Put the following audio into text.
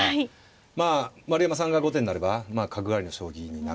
まあ丸山さんが後手になれば角換わりの将棋になる。